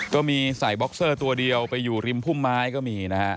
ก็มีใส่บ็อกเซอร์ตัวเดียวไปอยู่ริมพุ่มไม้ก็มีนะฮะ